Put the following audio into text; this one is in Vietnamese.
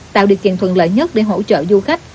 tạo điều kiện thuận lợi nhất để hỗ trợ du khách